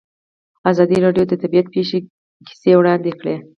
ازادي راډیو د طبیعي پېښې کیسې وړاندې کړي.